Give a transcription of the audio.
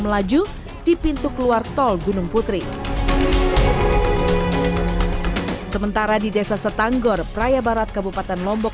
melaju di pintu keluar tol gunung putri sementara di desa setanggor praya barat kabupaten lombok